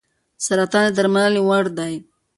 سرطان د درملنې وړ دی.